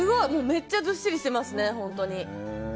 めっちゃずっしりしてますね。